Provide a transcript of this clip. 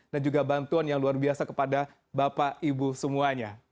dan juga bantuan yang luar biasa kepada bapak ibu semuanya